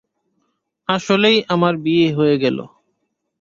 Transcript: আসলেই আমার বিয়ে হয়ে গেল।